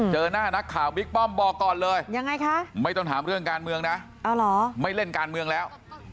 เจอหน้านักข่าวบิ๊กป้อมบอกก่อนเลยยังไงคะไม่ต้องถามเรื่องการเมืองนะไม่เล่นการเมืองแล้ว